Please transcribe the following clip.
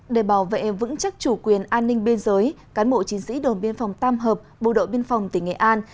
để bảo vệ vững chắc chủ quyền an ninh biên giới cán bộ chiến sĩ đồn biên phòng tam hợp bộ đội biên phòng tỉnh nghệ an